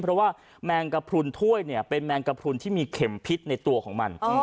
เพราะว่าแมงกระพรุนถ้วยเนี่ยเป็นแมงกระพรุนที่มีเข็มพิษในตัวของมัน